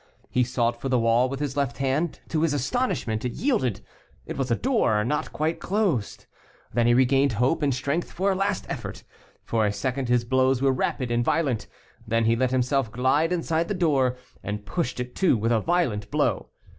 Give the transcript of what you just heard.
He sought for the wall with his left hand; to his astonishment, it yielded. It was a door not quite closed. Then he regained hope and strength for a last effort. For a second his blows were rapid and violent. Then he let himself glide inside the door, and pushed it to with a violent blow.